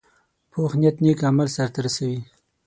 پوخ نیت نیک عمل ته رسوي